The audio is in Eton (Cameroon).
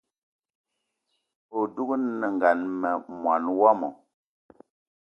Adugna ma mwaní wama